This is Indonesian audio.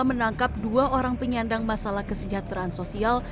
menangkap dua orang penyandang masalah kesejahteraan sosial